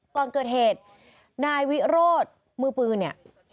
ก่อนเกิดเหตุนายวิโรธมือปืนเนี่ย